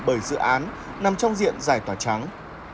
bởi dự án nằm trong diện giải tỏa trắng